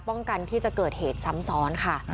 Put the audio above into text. กันที่จะเกิดเหตุซ้ำซ้อนค่ะ